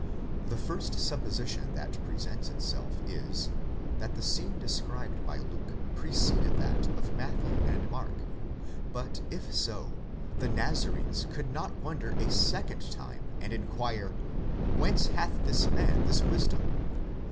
The first supposition that presents itself is, that the scene described by Luke preceded that of Matthew and Mark; but if so, the Nazarenes could not wonder asecond time and inquire, whence hath this man this wisdom